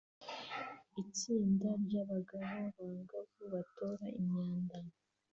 Itsinda ryabagabo bangavu batora imyanda